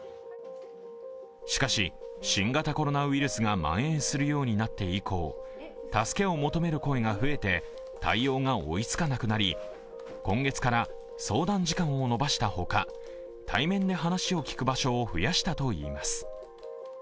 しかし、新型コロナウイルスがまん延するようになって以降助けを求める声が増えて対応が追いつかなくなり今月から相談時間を延ばした他、対面で話を聞く場所を増やしたといいます。